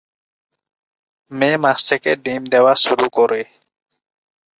মে মাস থেকে ডিম দেওয়া শুরু করে।